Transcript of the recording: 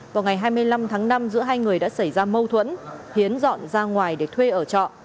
vào ngày hai mươi năm tháng năm giữa hai người đã xảy ra mâu thuẫn hiến dọn ra ngoài để thuê ở trọ